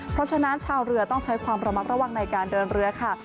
เพราะฉะนั้นชาวเรือต้องใช้ความระมัดระวังในการเดินเรือค่ะ